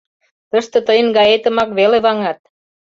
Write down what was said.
Тыште тыйын гаетымак веле ваҥат...